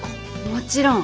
もちろん。